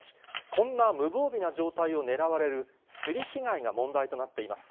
こんな無防備な状態を狙われるすり被害が問題となっています。